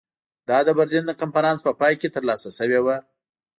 دا د برلین د کنفرانس په پای کې ترلاسه شوې وه.